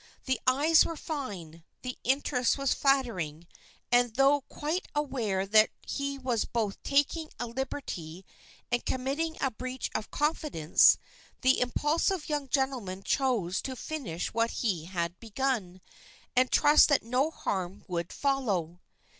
The eyes were fine, the interest was flattering, and though quite aware that he was both taking a liberty and committing a breach of confidence, the impulsive young gentleman chose to finish what he had begun, and trust that no harm would follow.